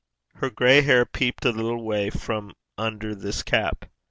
Her gray hair peeped a little way from under this cap.